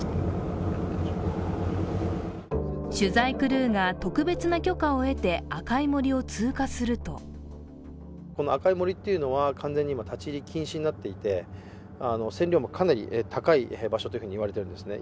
取材クルーが特別な許可を得て赤い森を通過するとこの赤い森というのは完全にもう立ち入り禁止になっていて線量もかなり高い場所と言われているんですね。